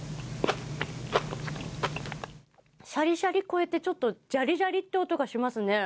シャリシャリ超えてちょっとジャリジャリって音がしますね。